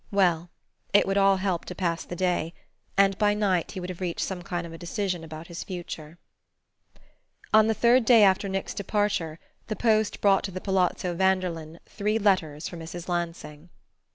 Well, it would all help to pass the day and by night he would have reached some kind of a decision about his future. On the third day after Nick's departure the post brought to the Palazzo Vanderlyn three letters for Mrs. Lansing.